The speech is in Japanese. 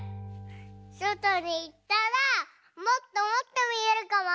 そとにいったらもっともっとみえるかも！